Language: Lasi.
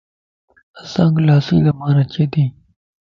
اسانک لاسي زبان اچي تي